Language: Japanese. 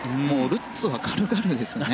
ルッツは軽々ですね。